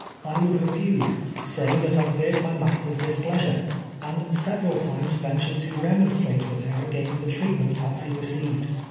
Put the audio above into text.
I W( luld refuse, saying that I feared my master's displeasure, and sev eral times ventured to remonstrate with her against the treatment Patsey received.